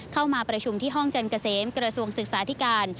เข้ามาประชุมที่ห้องจันเกษมกระทรวงศึกษาธิการ